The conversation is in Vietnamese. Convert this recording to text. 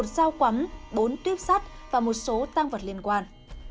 một giao quắn bốn tuyếp sắt và một số tăng vật liên quan